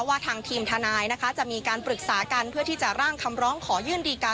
ว่าทางทีมทนายนะคะจะมีการปรึกษากันเพื่อที่จะร่างคำร้องขอยื่นดีการ